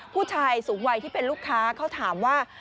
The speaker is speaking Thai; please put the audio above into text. ผู้ชายสูงวัยที่เป็นลูกค้าเขาถามว่า